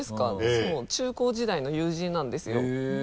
そう中・高時代の友人なんですよ。へぇ。